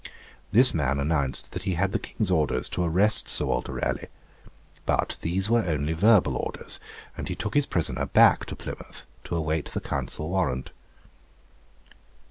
This man announced that he had the King's orders to arrest Sir Walter Raleigh; but these were only verbal orders, and he took his prisoner back to Plymouth to await the Council warrant.